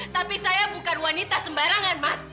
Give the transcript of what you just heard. tapi saya bukan wanita sembarangan mas